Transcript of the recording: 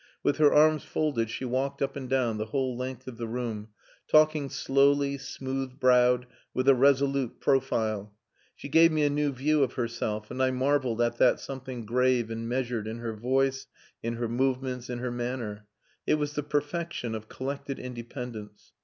With her arms folded she walked up and down the whole length of the room, talking slowly, smooth browed, with a resolute profile. She gave me a new view of herself, and I marvelled at that something grave and measured in her voice, in her movements, in her manner. It was the perfection of collected independence.